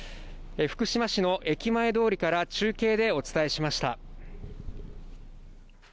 福島市の駅前通りから中継でお伝えしました。